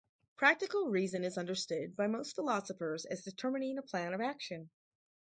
Practical reason is understood by most philosophers as determining a plan of action.